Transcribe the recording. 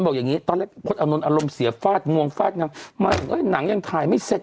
บอกอย่างงี้ตอนเมื่อภอดอารมณ์อารมณ์เสียฝาดงรภาบมั้ยก็เหี้ยงทำอย่างท่ายไม่เสร็จ